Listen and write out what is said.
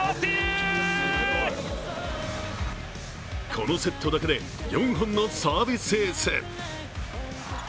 このセットだけで４本のサービスエース。